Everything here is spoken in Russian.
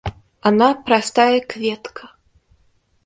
Она простая клетка.